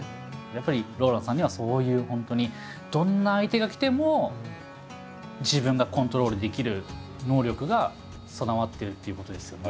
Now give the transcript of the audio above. やっぱりＲＯＬＡＮＤさんにはそういう本当にどんな相手が来ても自分がコントロールできる能力が備わってるっていうことですよね。